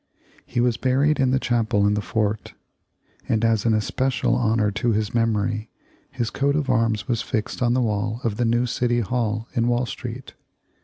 He was buried in the chapel in the fort, and as an especial honor to his memory his coat of arms was fixed on the wall of the new City Hall in Wall Street.